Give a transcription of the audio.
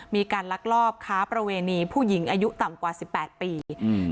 ลักลอบค้าประเวณีผู้หญิงอายุต่ำกว่าสิบแปดปีอืม